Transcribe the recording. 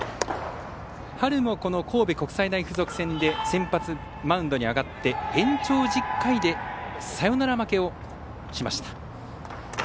春も、神戸国際大付属戦で先発マウンドに上がって延長１０回でサヨナラ負けをしました。